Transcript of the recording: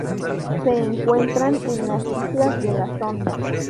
Se encuentran en las Islas de la Sonda.